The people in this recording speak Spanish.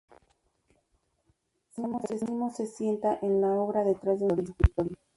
San Jerónimo se sienta en la obra detrás de un escritorio.